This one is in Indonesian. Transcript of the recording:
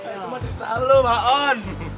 itu maksudnya sama lo mbak on